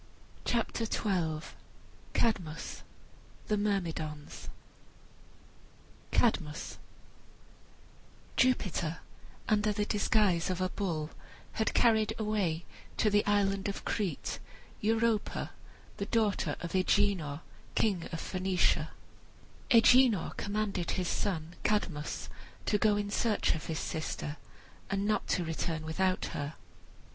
CHAPTER XII CADMUS THE MYRMIDONS Jupiter, under the disguise of a bull, had carried away Europa, the daughter of Agenor, king of Phoenicia. Agenor commanded his son Cadmus to go in search of his sister, and not to return without her.